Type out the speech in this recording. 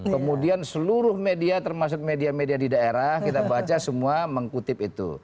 kemudian seluruh media termasuk media media di daerah kita baca semua mengkutip itu